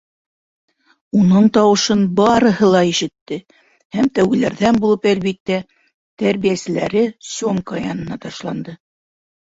Уның тауышын барыһы ла ишетте һәм тәүгеләрҙән булып, әлбиттә, тәрбиәселәре Сёмка янына ташланды.